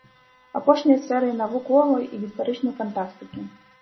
Апошнія з серыі навуковай і гістарычнай фантастыкі.